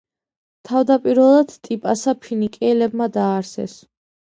თავდაპირველად, ტიპასა ფინიკიელებმა დააარსეს.